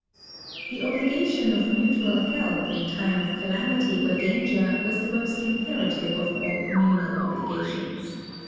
The obligation of mutual help in time of calamity or danger was the most imperative of all communal obligations.